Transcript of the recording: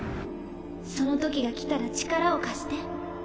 そのときが来たら力を貸して。